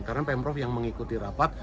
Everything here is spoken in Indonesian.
karena pemprov yang mengikuti rapat